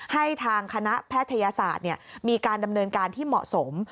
ให้ทางคณะแพทยศาสตร์มีการดำเนินการที่เหมาะสม